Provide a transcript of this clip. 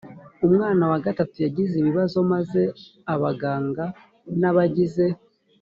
umwana wa gatatu yagize ibibazo maze abaganga n abagize